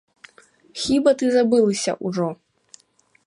Хіба ты забылася ўжо?